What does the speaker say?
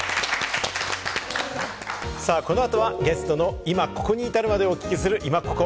この後はゲストの今、ここに至るまでをお聞きするイマココ。